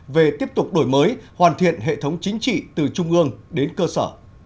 về tiếp tục đổi mới hoàn thiện hệ thống chính trị từ trung ương đến cơ sở